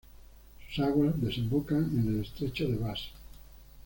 Sus aguas desembocan en el estrecho de Bass.